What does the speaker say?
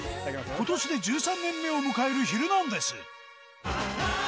ことしで１３年目を迎えるヒルナンデス！